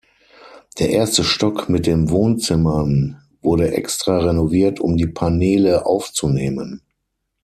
Der erste Stock mit dem Wohnzimmern wurde extra renoviert, um die Paneele aufzunehmen.